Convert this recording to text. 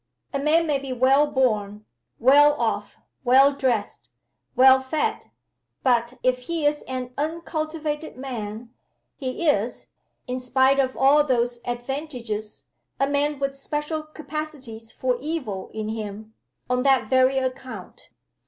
A man may be well born, well off, well dressed, well fed but if he is an uncultivated man, he is (in spite of all those advantages) a man with special capacities for evil in him, on that very account.